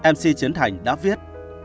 mc chiến thành đã viết